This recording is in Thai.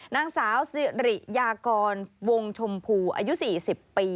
นังสาวสริงริยากรโวงชมพูอายุสี่สิบปี